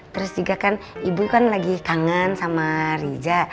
terus juga kan ibu lagi kangen sama rija